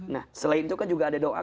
nah selain itu kan juga ada doa